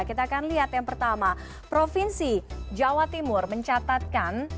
kita akan lihat yang pertama provinsi jawa timur mencatatkan